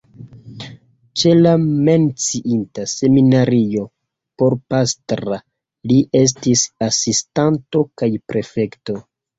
Ĉe la menciita seminario porpastra li estis asistanto kaj prefekto.